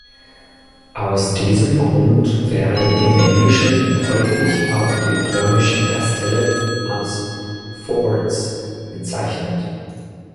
Aus diesem Grund werden im Englischen häufig auch die römischen Kastelle als „Forts“ bezeichnet.